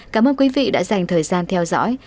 cảm ơn quý vị đã dành thời gian theo dõi